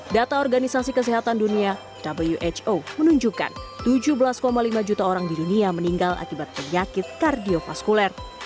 data organisasi kesehatan dunia who menunjukkan tujuh belas lima juta orang di dunia meninggal akibat penyakit kardiofaskuler